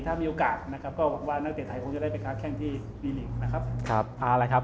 ถ้ามีโอกาสนะครับก็หวังว่านักเตะไทยคงจะได้ไปค้าแข้งที่มีหลีกนะครับ